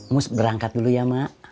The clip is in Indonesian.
mus berangkat dulu ya mak